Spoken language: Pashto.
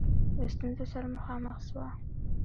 له ستونزو سره مخامخ سوه.